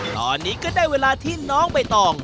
ตอนนี้ก็ได้เวลาที่น้องใบตอง